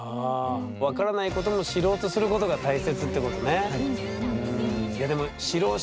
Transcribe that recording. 分からないことも知ろうとすることが大切ってことね。